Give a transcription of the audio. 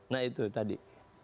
nah itu tadi